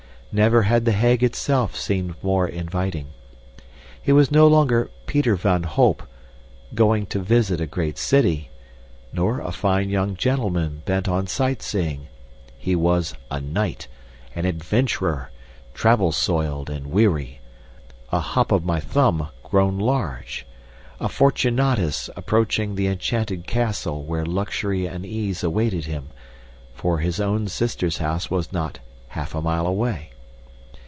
Never had The Hague itself seemed more inviting. He was no longer Peter van Holp, going to visit a great city, nor a fine young gentleman bent on sight seeing; he was a knight, an adventurer, travel soiled and weary, a Hop o' my Thumb grown large, a Fortunatas approaching the enchanted castle where luxury and ease awaited him, for his own sister's house was not half a mile away.